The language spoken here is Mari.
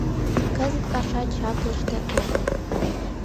Кызыт паша чаплыште огыл.